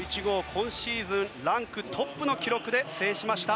今シーズンランクトップの記録で制しました。